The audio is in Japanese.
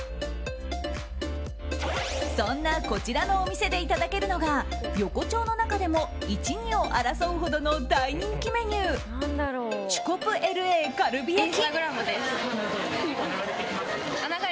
そんな、こちらのお店でいただけるのが横丁の中でも１、２を争うほどの大人気メニューチュコプＬＡカルビ焼。